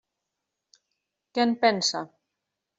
Què en pensa?